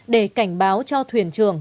để cảnh báo cho thuyền trường